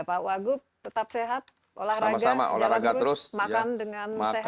pak wagub tetap sehat olahraga jalan terus makan dengan sehat